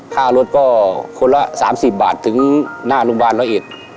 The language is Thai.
ก็พารถก็คนละสามสี่บาทถึงหน้ารุงบ้านรถเอ็ด